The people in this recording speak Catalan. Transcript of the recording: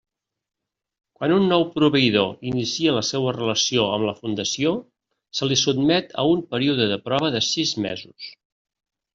Quan un nou proveïdor inicia la seua relació amb la Fundació, se li sotmet a un període de prova de sis mesos.